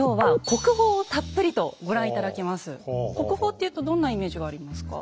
国宝っていうとどんなイメージがありますか？